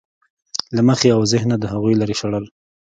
له مخې او ذهنه د هغوی لرې شړل.